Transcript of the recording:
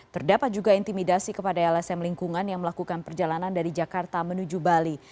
terdapat juga intimidasi kepada lsm lingkungan yang melakukan perjalanan dari jakarta menuju bali